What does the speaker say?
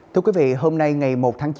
thưa quý vị hôm nay ngày một tháng chín